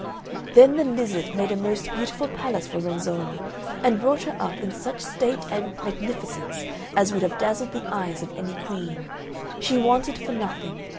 Then the lizard made a most beautiful palace for Renzolla, and brought her up in such state and magnificence as would have dazzled the eyes of any queen. She wanted for nothing.